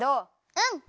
うん。